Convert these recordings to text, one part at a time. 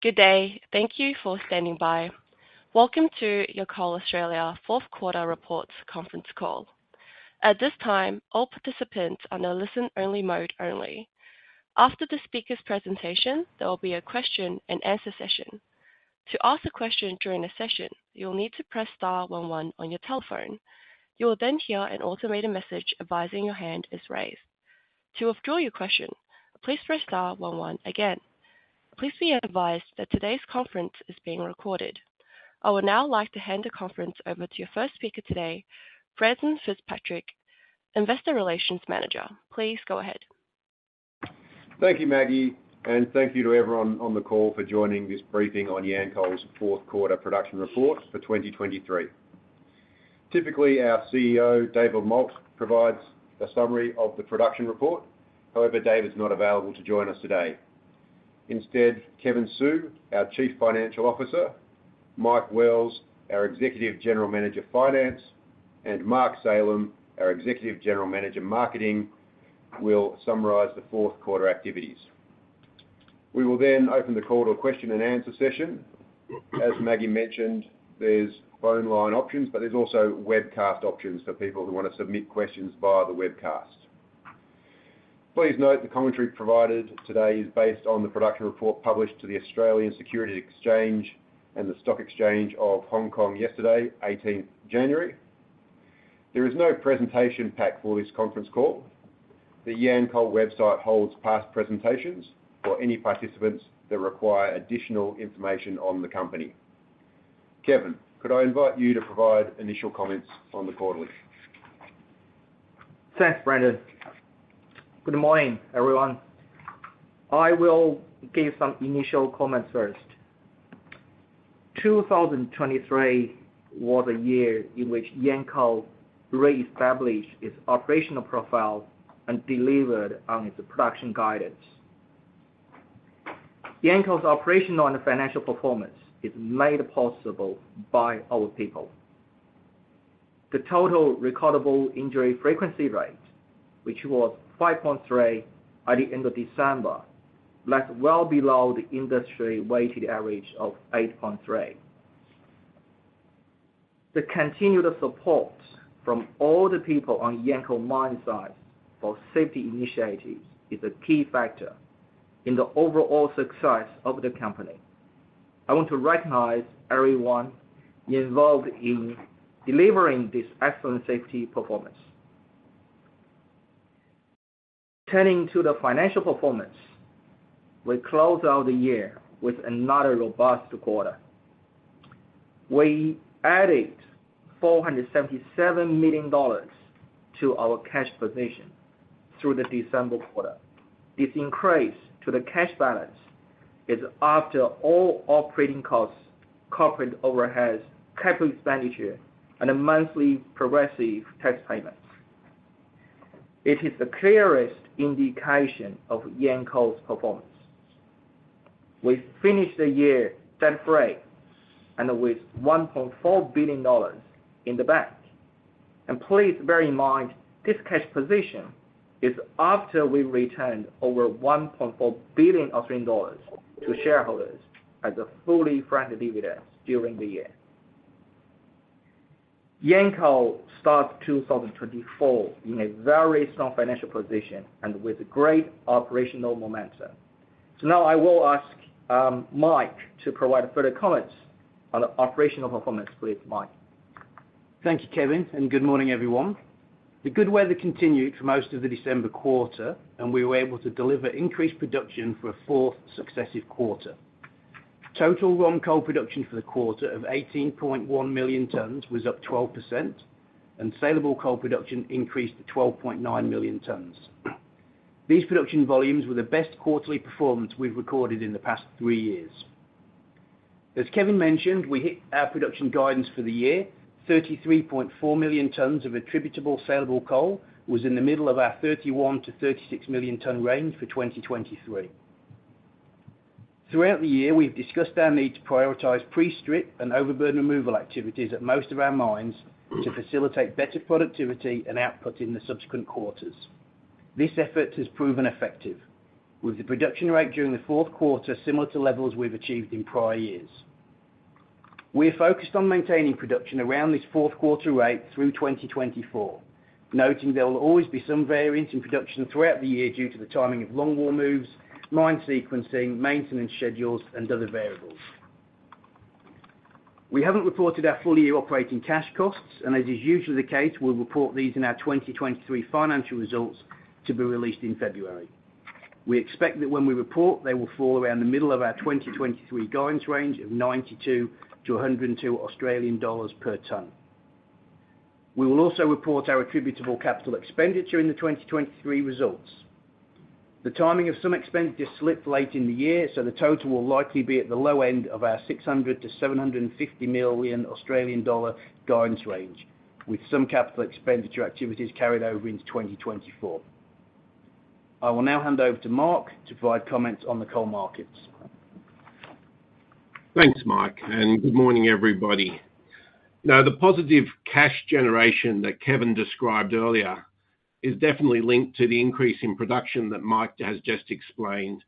Good day. Thank you for standing by. Welcome to Yancoal Australia fourth quarter reports conference call. At this time, all participants are in a listen-only mode only. After the speaker's presentation, there will be a question and answer session. To ask a question during the session, you'll need to press star one one on your telephone. You will then hear an automated message advising your hand is raised. To withdraw your question, please press star one one again. Please be advised that today's conference is being recorded. I would now like to hand the conference over to your first speaker today, Brendan Fitzpatrick, Investor Relations Manager. Please go ahead. Thank you, Maggie, and thank you to everyone on the call for joining this briefing on Yancoal's fourth quarter production report for 2023. Typically, our CEO, David Moult, provides a summary of the production report. However, David is not available to join us today. Instead, Kevin Su, our Chief Financial Officer, Mike Wells, our Executive General Manager of Finance, and Mark Salem, our Executive General Manager Marketing, will summarize the fourth quarter activities. We will then open the call to a question and answer session. As Maggie mentioned, there's phone line options, but there's also webcast options for people who want to submit questions via the webcast. Please note the commentary provided today is based on the production report published to the Australian Securities Exchange and the Stock Exchange of Hong Kong yesterday, January 18th. There is no presentation pack for this conference call. The Yancoal website holds past presentations for any participants that require additional information on the company. Kevin, could I invite you to provide initial comments on the quarterly? Thanks, Brendan. Good morning, everyone. I will give some initial comments first. 2023 was a year in which Yancoal reestablished its operational profile and delivered on its production guidance. Yancoal's operational and financial performance is made possible by our people. The Total Recordable Injury Frequency Rate, which was 5.3 at the end of December, was well below the industry weighted average of 8.3. The continued support from all the people on Yancoal mine site for safety initiatives is a key factor in the overall success of the company. I want to recognize everyone involved in delivering this excellent safety performance. Turning to the financial performance, we closed out the year with another robust quarter. We added 477 million dollars to our cash position through the December quarter. This increase to the cash balance is after all operating costs, corporate overhead, capital expenditure, and monthly progressive tax payments. It is the clearest indication of Yancoal's performance. We finished the year debt-free and with 1.4 billion dollars in the bank. Please bear in mind, this cash position is after we returned over 1.4 billion Australian dollars to shareholders as a fully franked dividend during the year. Yancoal started 2024 in a very strong financial position and with great operational momentum. Now I will ask Mike to provide further comments on the operational performance. Please, Mike. Thank you, Kevin, and good morning, everyone. The good weather continued for most of the December quarter, and we were able to deliver increased production for a fourth successive quarter. Total raw coal production for the quarter of 18.1 million tons was up 12%, and salable coal production increased to 12.9 million tons. These production volumes were the best quarterly performance we've recorded in the past three years. As Kevin mentioned, we hit our production guidance for the year. 33.4 million tons of attributable salable coal was in the middle of our 31-36 million ton range for 2023. Throughout the year, we've discussed our need to prioritize pre-strip and overburden removal activities at most of our mines to facilitate better productivity and output in the subsequent quarters. This effort has proven effective, with the production rate during the fourth quarter similar to levels we've achieved in prior years. We are focused on maintaining production around this fourth quarter rate through 2024, noting there will always be some variance in production throughout the year due to the timing of longwall moves, mine sequencing, maintenance schedules, and other variables. We haven't reported our full-year operating cash costs, and as is usually the case, we'll report these in our 2023 financial results to be released in February. We expect that when we report, they will fall around the middle of our 2023 guidance range of 92-102 Australian dollars per ton. We will also report our attributable capital expenditure in the 2023 results. The timing of some expenditures slipped late in the year, so the total will likely be at the low end of our 600 million-750 million Australian dollar guidance range, with some capital expenditure activities carried over into 2024. I will now hand over to Mark to provide comments on the coal markets. Thanks, Mike, and good morning, everybody. Now, the positive cash generation that Kevin described earlier is definitely linked to the increase in production that Mike has just explained,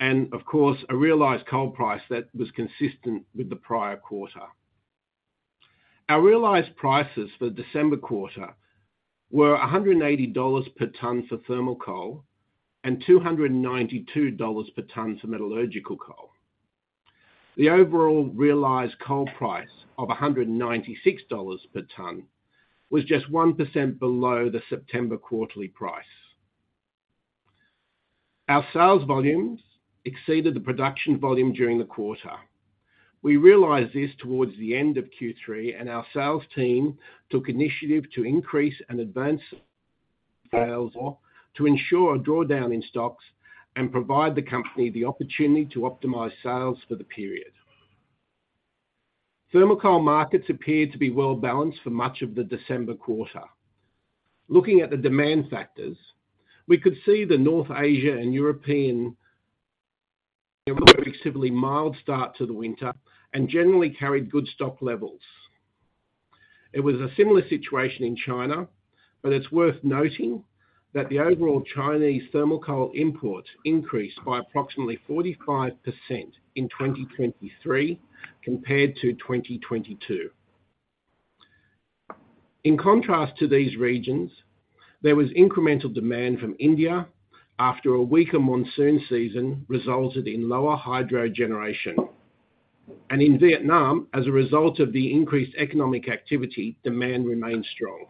and of course, a realized coal price that was consistent with the prior quarter. Our realized prices for the December quarter were $180 per ton for thermal coal, and $292 per ton for metallurgical coal. The overall realized coal price of $196 per ton, was just 1% below the September quarterly price. Our sales volumes exceeded the production volume during the quarter. We realized this towards the end of Q3, and our sales team took initiative to increase and advance sales to ensure a drawdown in stocks and provide the company the opportunity to optimize sales for the period. Thermal coal markets appeared to be well balanced for much of the December quarter. Looking at the demand factors, we could see the North Asian and European relatively mild start to the winter and generally carried good stock levels. It was a similar situation in China, but it's worth noting that the overall Chinese thermal coal imports increased by approximately 45% in 2023 compared to 2022. In contrast to these regions, there was incremental demand from India after a weaker monsoon season resulted in lower hydro generation. In Vietnam, as a result of the increased economic activity, demand remained strong.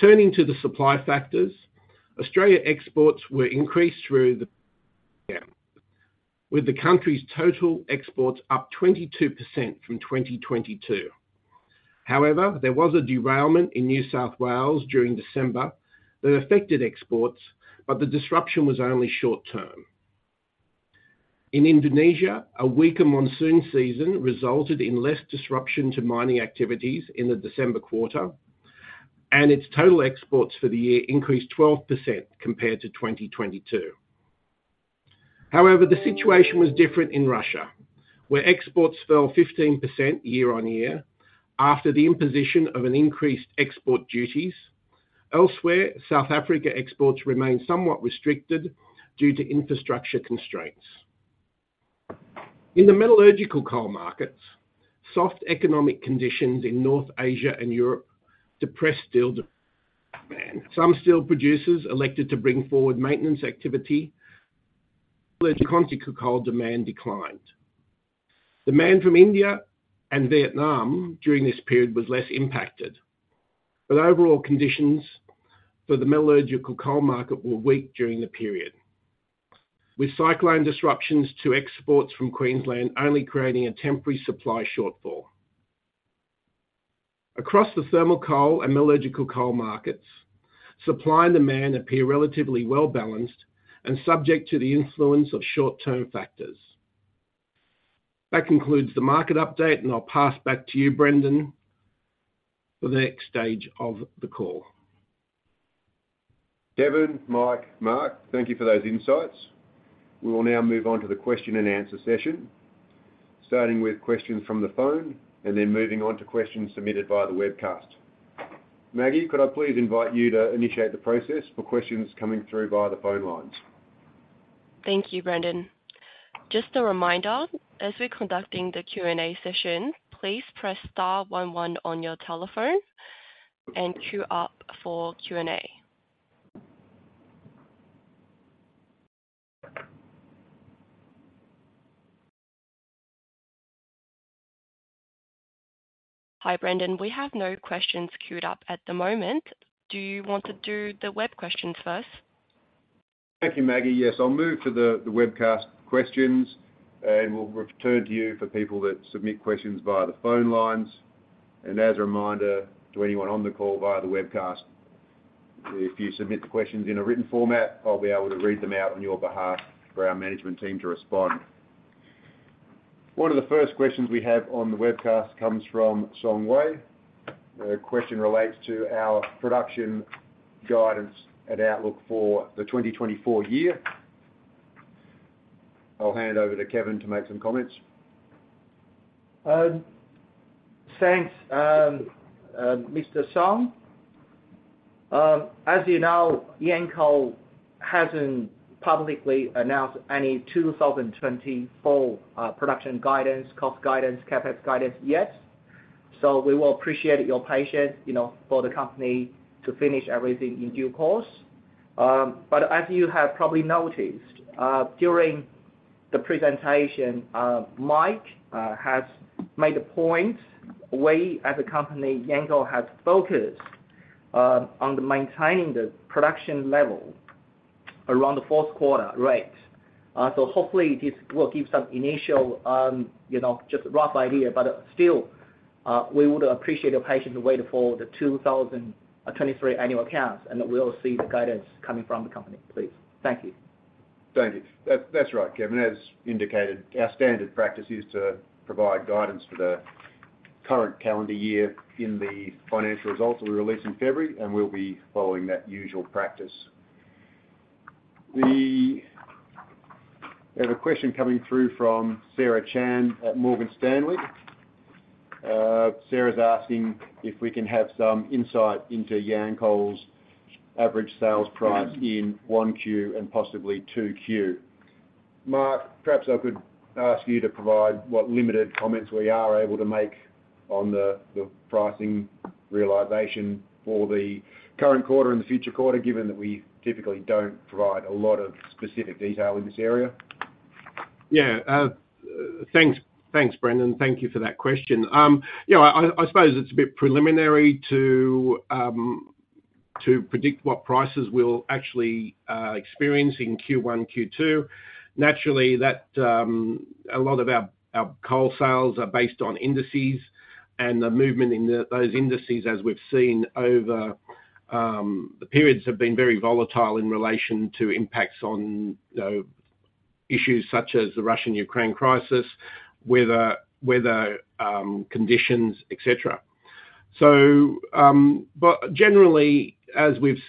Turning to the supply factors, Australian exports were increased through the year, with the country's total exports up 22% from 2022. However, there was a derailment in New South Wales during December that affected exports, but the disruption was only short-term. In Indonesia, a weaker monsoon season resulted in less disruption to mining activities in the December quarter, and its total exports for the year increased 12% compared to 2022. However, the situation was different in Russia, where exports fell 15% year on year after the imposition of an increased export duties. Elsewhere, South Africa exports remained somewhat restricted due to infrastructure constraints. In the metallurgical coal markets, soft economic conditions in North Asia and Europe depressed steel demand. Some steel producers elected to bring forward maintenance activity. Metallurgical coal demand declined. Demand from India and Vietnam during this period was less impacted, but overall conditions for the metallurgical coal market were weak during the period, with cyclone disruptions to exports from Queensland only creating a temporary supply shortfall. Across the thermal coal and metallurgical coal markets, supply and demand appear relatively well balanced and subject to the influence of short-term factors. That concludes the market update, and I'll pass back to you, Brendan, for the next stage of the call. Kevin, Mike, Mark, thank you for those insights. We will now move on to the question and answer session, starting with questions from the phone and then moving on to questions submitted via the webcast. Maggie, could I please invite you to initiate the process for questions coming through via the phone lines? Thank you, Brendan. Just a reminder, as we're conducting the Q&A session, please press star one one on your telephone and queue up for Q&A. Hi, Brendan. We have no questions queued up at the moment. Do you want to do the web questions first? Thank you, Maggie. Yes, I'll move to the webcast questions, and we'll return to you for people that submit questions via the phone lines. As a reminder to anyone on the call via the webcast, if you submit the questions in a written format, I'll be able to read them out on your behalf for our management team to respond. One of the first questions we have on the webcast comes from Song Wei. The question relates to our production guidance and outlook for the 2024 year. I'll hand over to Kevin to make some comments. Thanks, Mr. Song. As you know, Yancoal hasn't publicly announced any 2024 production guidance, cost guidance, CapEx guidance yet. So we will appreciate your patience, you know, for the company to finish everything in due course. But as you have probably noticed, during the presentation, Mike has made a point. We, as a company, Yancoal, has focused on the maintaining the production level around the fourth quarter rate. So hopefully, this will give some initial, you know, just a rough idea. But still, we would appreciate your patience to wait for the 2023 annual accounts, and we'll see the guidance coming from the company, please. Thank you. Thank you. That's right, Kevin. As indicated, our standard practice is to provide guidance for the current calendar year in the financial results that we release in February, and we'll be following that usual practice. We have a question coming through from Sara Chan at Morgan Stanley. Sarah's asking if we can have some insight into Yancoal's average sales price in 1Q and possibly 2Q. Mark, perhaps I could ask you to provide what limited comments we are able to make on the pricing realization for the current quarter and the future quarter, given that we typically don't provide a lot of specific detail in this area. Yeah. Thanks, thanks, Brendan. Thank you for that question. Yeah, I suppose it's a bit preliminary to predict what prices we'll actually experience in Q1, Q2. Naturally, a lot of our coal sales are based on indices, and the movement in those indices, as we've seen over the periods, have been very volatile in relation to impacts on issues such as the Russian-Ukraine crisis, weather conditions, et cetera. So, but generally, as we've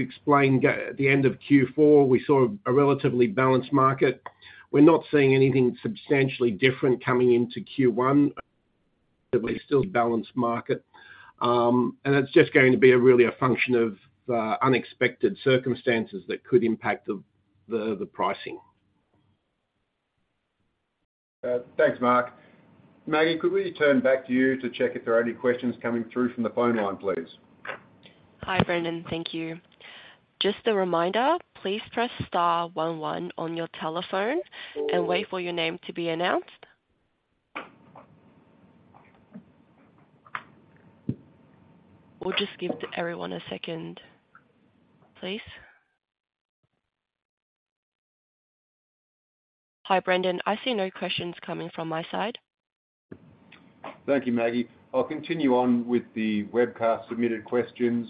explained at the end of Q4, we saw a relatively balanced market. We're not seeing anything substantially different coming into Q1. We still balanced market, and it's just going to be a really a function of unexpected circumstances that could impact the pricing. Thanks, Mark. Maggie, could we turn back to you to check if there are any questions coming through from the phone line, please? Hi, Brendan. Thank you. Just a reminder, please press star one one on your telephone and wait for your name to be announced. We'll just give everyone a second, please. Hi, Brendan. I see no questions coming from my side. Thank you, Maggie. I'll continue on with the webcast submitted questions.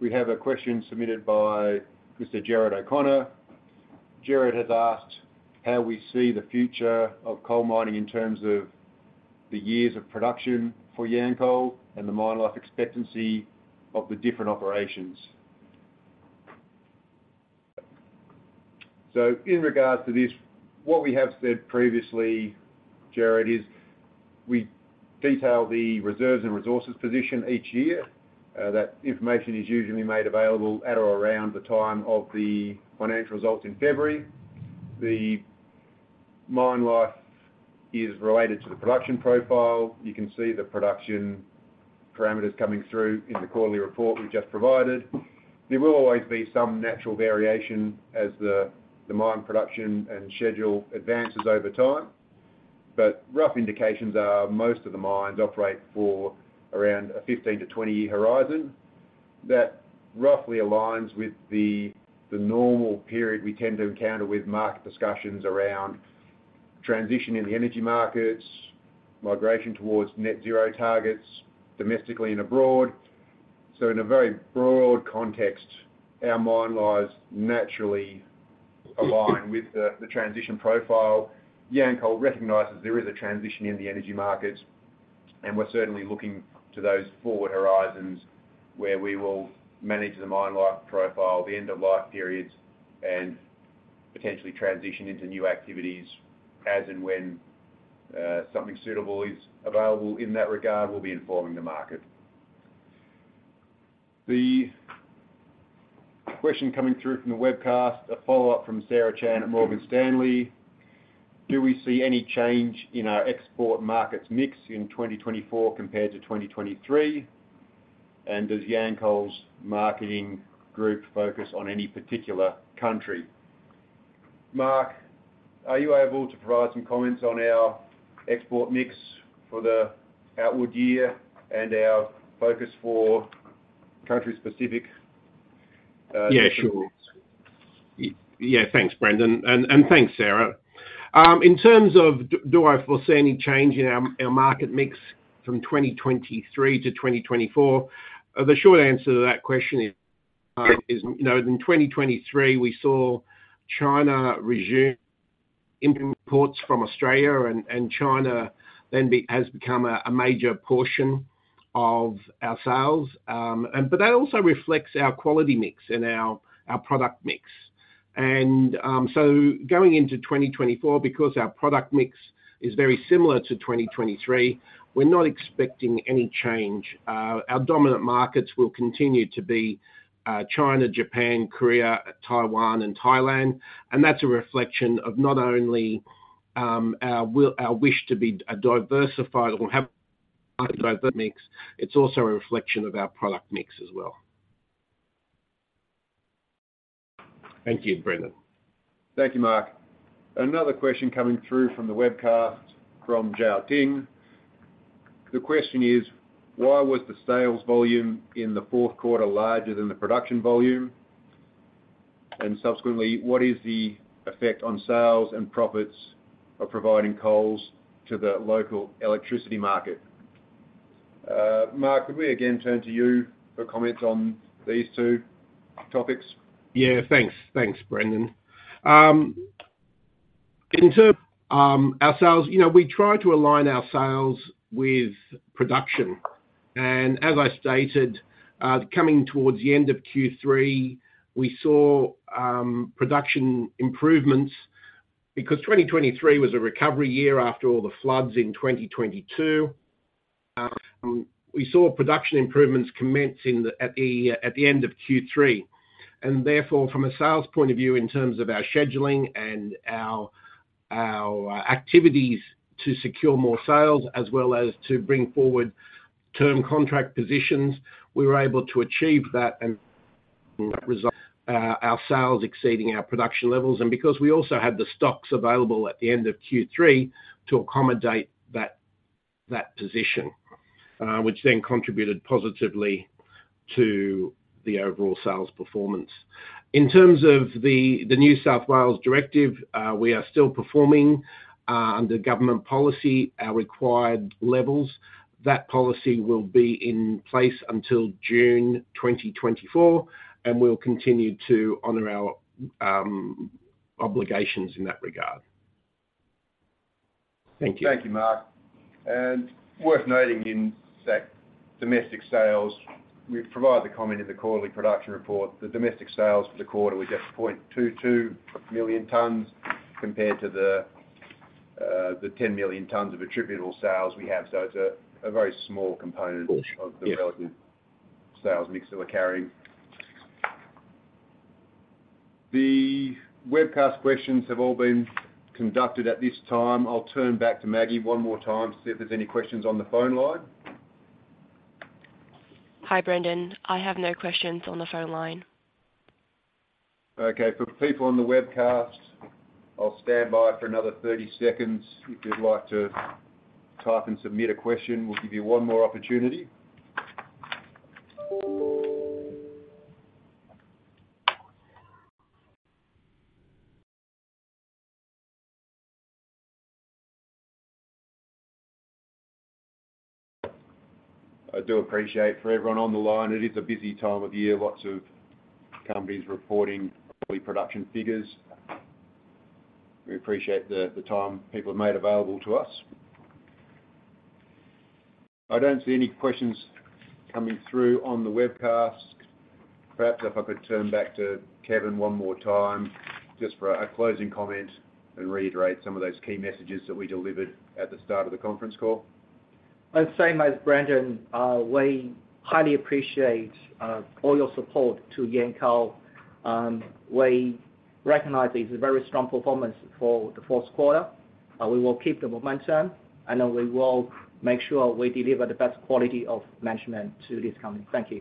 We have a question submitted by Mr. Jared O'Connor. Jared has asked how we see the future of coal mining in terms of the years of production for Yancoal and the mine life expectancy of the different operations. So in regards to this, what we have said previously, Jared, is we detail the reserves and resources position each year. That information is usually made available at or around the time of the financial results in February. The mine life is related to the production profile. You can see the production parameters coming through in the quarterly report we've just provided. There will always be some natural variation as the mine production and schedule advances over time, but rough indications are most of the mines operate for around a 15-20-year horizon. That roughly aligns with the normal period we tend to encounter with market discussions around transition in the energy markets, migration towards net zero targets, domestically and abroad. So in a very broad context, our mine lives naturally align with the transition profile. Yancoal recognizes there is a transition in the energy markets, and we're certainly looking to those forward horizons, where we will manage the mine life profile, the end of life periods, and potentially transition into new activities as and when something suitable is available. In that regard, we'll be informing the market. The question coming through from the webcast, a follow-up from Sara Chan at Morgan Stanley: Do we see any change in our export markets mix in 2024 compared to 2023? And does Yancoal's marketing group focus on any particular country? Mark, are you able to provide some comments on our export mix for the out year and our focus for country-specific? Yeah, sure. Yeah, thanks, Brendan, and thanks, Sara. In terms of do I foresee any change in our market mix from 2023 to 2024, the short answer to that question is, you know, in 2023, we saw China resume imports from Australia, and China then has become a major portion of our sales. But that also reflects our quality mix and our product mix. So going into 2024, because our product mix is very similar to 2023, we're not expecting any change. Our dominant markets will continue to be China, Japan, Korea, Taiwan and Thailand, and that's a reflection of not only our wish to be diversified or have diverse mix, it's also a reflection of our product mix as well. Thank you, Brendan. Thank you, Mark. Another question coming through from the webcast from Jiao Ting. The question is: Why was the sales volume in the fourth quarter larger than the production volume? And subsequently, what is the effect on sales and profits of providing coals to the local electricity market? Mark, could we again turn to you for comments on these two topics? Yeah, thanks. Thanks, Brendan. In terms of ourselves, you know, we try to align our sales with production. And as I stated, coming towards the end of Q3, we saw production improvements. Because 2023 was a recovery year after all the floods in 2022, we saw production improvements commence at the end of Q3. And therefore, from a sales point of view, in terms of our scheduling and our activities to secure more sales, as well as to bring forward term contract positions, we were able to achieve that and as a result, our sales exceeding our production levels. And because we also had the stocks available at the end of Q3 to accommodate that position, which then contributed positively to the overall sales performance. In terms of the New South Wales directive, we are still performing under government policy our required levels. That policy will be in place until June 2024, and we'll continue to honor our obligations in that regard. Thank you. Thank you, Mark. And worth noting, in fact, domestic sales, we've provided the comment in the quarterly production report. The domestic sales for the quarter were just 0.22 million tons, compared to the 10 million tons of attributable sales we have. So it's a very small component- Of course, yes. -of the relative sales mix that we're carrying. The webcast questions have all been conducted at this time. I'll turn back to Maggie one more time to see if there's any questions on the phone line. Hi, Brendan. I have no questions on the phone line. Okay. For the people on the webcast, I'll stand by for another 30 seconds. If you'd like to type and submit a question, we'll give you one more opportunity. I do appreciate for everyone on the line, it is a busy time of year. Lots of companies reporting quarterly production figures. We appreciate the time people have made available to us. I don't see any questions coming through on the webcast. Perhaps if I could turn back to Kevin one more time, just for a closing comment and reiterate some of those key messages that we delivered at the start of the conference call. I'd say, as Brendan, we highly appreciate all your support to Yancoal. We recognize it's a very strong performance for the fourth quarter. We will keep the momentum, and then we will make sure we deliver the best quality of management to this company. Thank you.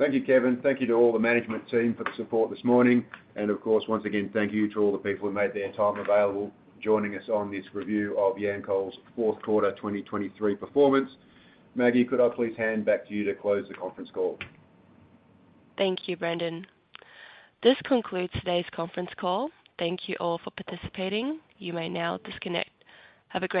Thank you, Kevin. Thank you to all the management team for the support this morning. And of course, once again, thank you to all the people who made their time available, joining us on this review of Yancoal's fourth quarter 2023 performance. Maggie, could I please hand back to you to close the conference call? Thank you, Brendan. This concludes today's conference call. Thank you all for participating. You may now disconnect. Have a great day.